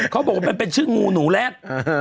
เขาบอกว่ามันเป็นชื่องูหนูแรก